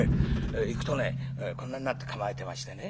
行くとねこんなんなって構えてましてね